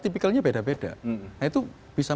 itu kecilnya beda beda nah itu bisa